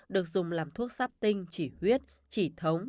được dùng làm thuốc sắp tinh chỉ huyết chỉ thống